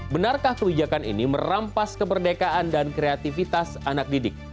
benarkah kebijakan ini merampas kemerdekaan dan kreativitas anak didik